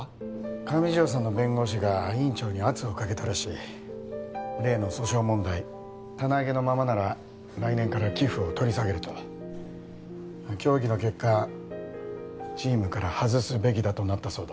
上条さんの弁護士が院長に圧をかけたらしい例の訴訟問題棚上げのままなら来年から寄付を取り下げると協議の結果チームから外すべきだとなったそうだ